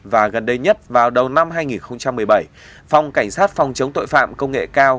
và gần đây nhất vào đầu năm hai nghìn một mươi bảy phòng cảnh sát phòng chống tội phạm công nghệ cao